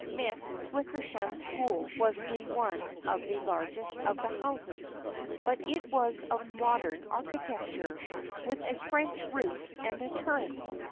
Miss Wickersham's school was in one of the largest of the houses but it was of modern archi tecture, with a French roof and a turret.